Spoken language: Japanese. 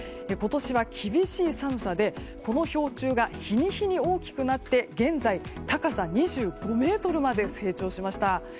今年は厳しい寒さで、この氷柱が日に日に大きくなって現在高さ２５ｍまで成長しました。